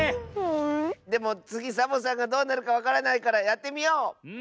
でもつぎサボさんがどうなるかわからないからやってみよう！